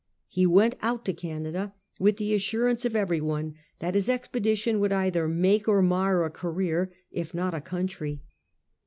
He went out to Canada with the assurance of everyone that his expedition would either make or mar a career, if not a country.